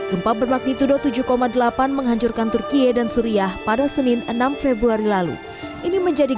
gempa bermagnitudo tujuh delapan menghancurkan turkiye dan suriah pada senin enam februari lalu ini menjadi